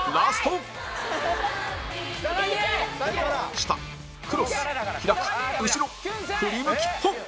下クロス開く後ろ振り向きポーズ